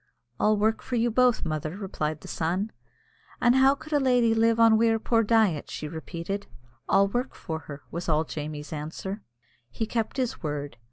"I'll work for you both, mother," replied the son. "An' how could a lady live on we'er poor diet?" she repeated. "I'll work for her," was all Jamie's answer. He kept his word.